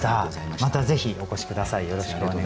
またぜひお越し下さい。